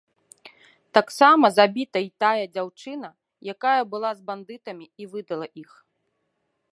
Таксама забіта й тая дзяўчына, якая была з бандытамі і выдала іх.